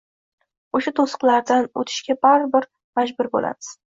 o‘sha to‘siqlardan o‘tishga baribir majbur bo‘lamiz.